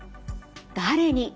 「誰に」